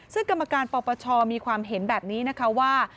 ซึ่งกรรมการปปชมีความเห็นแบบนี้นะคะว่า